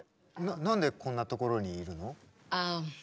何でこんなところにいるの？